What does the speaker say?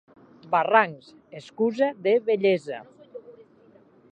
Barrancs, excusa de vellesa.